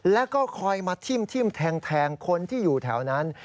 แล้วก็คอยมาทิ่มแทงคนที่อยู่แถวนั้น